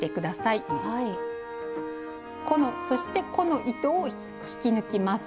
そしてこの糸を引き抜きます。